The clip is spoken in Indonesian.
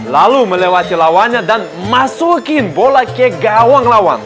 lalu melewati lawannya dan masukin bola ke gawang lawang